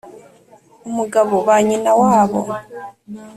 umugabo, ba nyina wabo